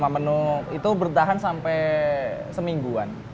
lima menu itu bertahan sampai semingguan